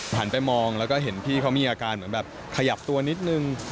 หันไปมองแล้วก็เห็นพี่เขามีอาการเหมือนแบบขยับตัวนิดนึง